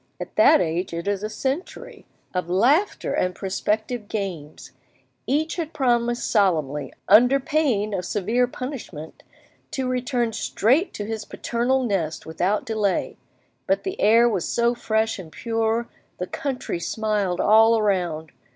at that age it is a century, of laughter and prospective games! Each had promised solemnly, under pain of severe punishment, to return straight to his paternal nest without delay, but the air was so fresh and pure, the country smiled all around!